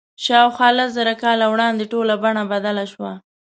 شاوخوا لس زره کاله وړاندې ټوله بڼه بدله شوه.